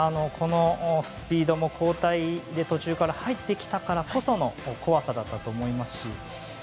このスピードも交代で途中から入ってきたからこその怖さだったと思いますし。